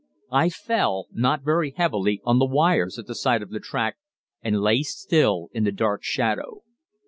I fell not very heavily on the wires at the side of the track, and lay still in the dark shadow.